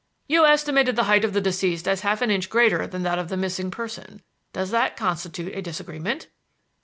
"You estimated the height of the deceased as half an inch greater than that of the missing person. Does that constitute a disagreement?"